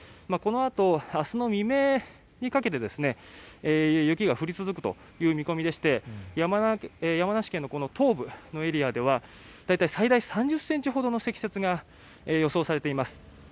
このあと明日の未明にかけて雪が降り続くという見込みでして山梨県の東部のエリアでは大体３０ｃｍほどの積雪が予想されています。